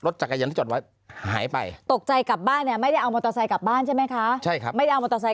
ตกใจกลับบ้านตกใจ